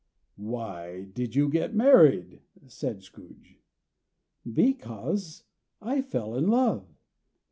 "Why did you get married?" said Scrooge. "Because I fell in love."